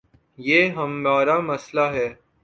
یہ ہمار امسئلہ ہے۔